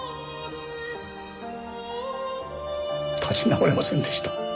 立ち直れませんでした。